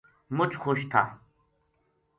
مچ خوش تھا